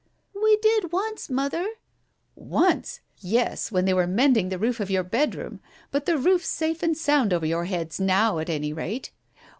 "We did once, Mother!" " Once I Yes ! when they were mending the roof of your bedroom ; but the roof's safe and sound over your heads now, at any rate.